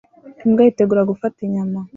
Imbwa yitegura gufata inyama